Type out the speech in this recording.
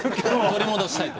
取り戻したいと。